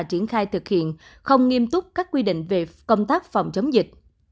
triển khai thực hiện không nghiêm túc các quy định về công tác phòng chống dịch